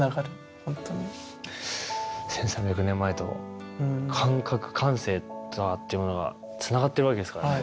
１，３００年前と感覚感性っていうものがつながってるわけですからね。